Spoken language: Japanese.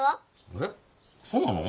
えっそうなの？